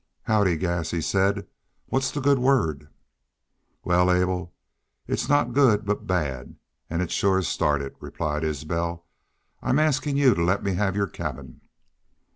"Howdy, Gass!" he said. "What's the good word?" "Wal, Abel, it's not good, but bad. An' it's shore started," replied Isbel. "I'm askin' y'u to let me have your cabin."